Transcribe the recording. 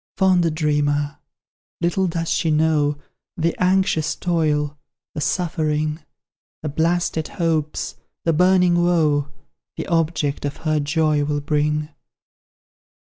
Fond dreamer! little does she know The anxious toil, the suffering, The blasted hopes, the burning woe, The object of her joy will bring.